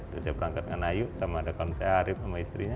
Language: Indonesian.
terus saya berangkat dengan ayu sama ada kawan saya arief sama istrinya